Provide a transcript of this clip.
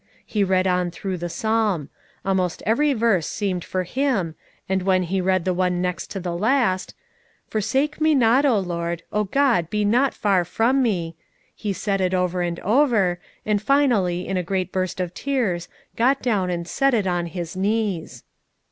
He read on through the psalm; almost every verse seemed for him, and when he read the one next to the last, "Forsake me not, O Lord; O my God, be not far from me," he said it over and over, and finally, in a great burst of tears, got down and said it on his knees.